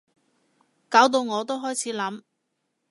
搞到我都開始諗